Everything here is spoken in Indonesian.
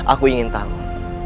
aku ingin tahu